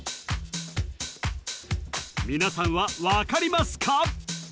皆さんはわかりますか？